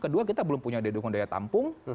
kedua kita belum punya dedukung daya tampung